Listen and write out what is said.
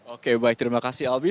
oke baik terima kasih albi